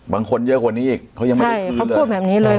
บางคนเยอะกว่านี้อีกเขายังไม่ได้เขาพูดแบบนี้เลย